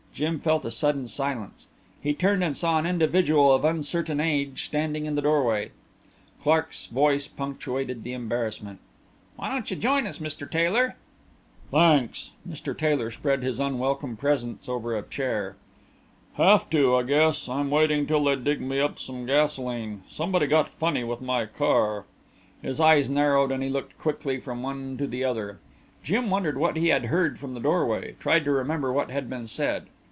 Jim felt a sudden silence. He turned and saw an individual of uncertain age standing in the doorway. Clark's voice punctuated the embarrassment. "Won't you join us, Mr. Taylor?" "Thanks." Mr. Taylor spread his unwelcome presence over a chair. "Have to, I guess. I'm waiting till they dig me up some gasolene. Somebody got funny with my car." His eyes narrowed and he looked quickly from one to the other. Jim wondered what he had heard from the doorway tried to remember what had been said.